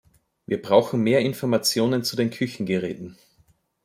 Wir brauchen mehr Informationen zu den Küchengeräten.